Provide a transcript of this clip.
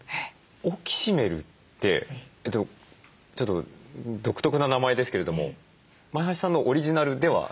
オキシメルってちょっと独特な名前ですけれども前橋さんのオリジナルでは？